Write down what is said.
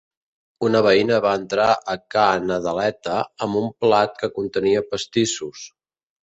Una veïna va entrar a Ca Nadaleta amb un plat que contenia pastissos.